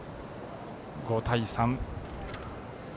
５対３。